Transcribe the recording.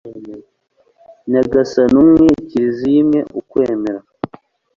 r/ nyagasani umwe, kiliziya imwe, ukwemera